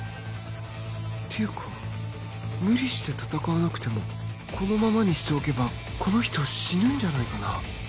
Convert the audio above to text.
っていうか無理して戦わなくてもこのままにしておけばこの人死ぬんじゃないかな？